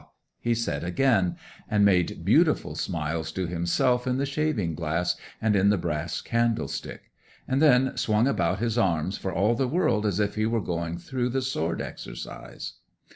he said again, and made beautiful smiles to himself in the shaving glass and in the brass candlestick; and then swung about his arms for all the world as if he were going through the sword exercise.